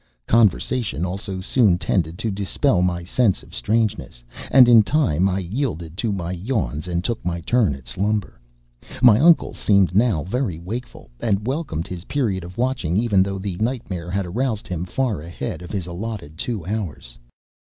Conversation, also, soon tended to dispel my sense of strangeness; and in time I yielded to my yawns and took my turn at slumber. My uncle seemed now very wakeful, and welcomed his period of watching even though the nightmare had aroused him far ahead of his allotted two hours.